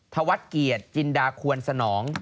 ธวัฒน์เกียรติจินดาควรสนอง